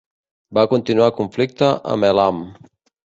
Va continuar el conflicte amb Elam.